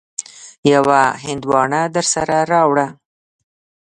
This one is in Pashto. يوه هندواڼه درسره راوړه.